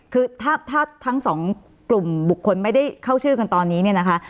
คือถ้าทั้งสองกลุ่มบุคคลไม่ได้เข้าชื่อกันตอนนี้เนี่ยนะคะ